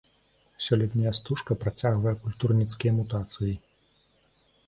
Сёлетняя стужка працягвае культурніцкія мутацыі.